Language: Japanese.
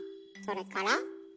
それから？